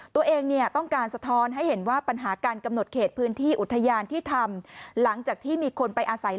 ตัวเองเนี่ยต้องการสะท้อนให้เห็นว่าปัญหาการกำหนดเขตพื้นที่อุทยานที่ทำหลังจากที่มีคนไปอาศัย